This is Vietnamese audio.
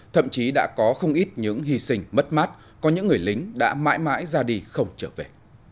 thậm chí đã có không ít những hy sinh mất mát có những người lính đã mãi mãi ra đi không trở về